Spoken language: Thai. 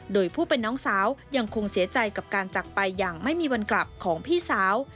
โดยผู้เป็นน้องสาวยังคงเสียใจกับการจักรไปอย่างไม่มีวันกลับของพี่สาว